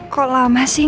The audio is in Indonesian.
kok lama sih